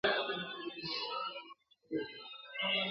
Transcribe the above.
دغه لمر، دغه سپوږمۍ وه !.